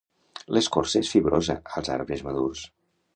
L'escorça és fibrosa als arbres madurs.